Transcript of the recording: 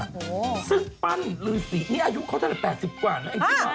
ซึ่งปั้นฤษีนี่อายุเขาเท่าไหร่๘๐กว่าจริงหรือ